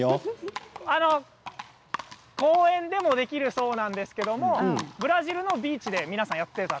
公園でもできるそうなんですけれどブラジルのビーチで皆さんやっていたと。